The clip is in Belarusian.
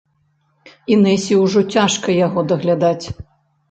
Інэсе ўжо цяжка яго даглядаць.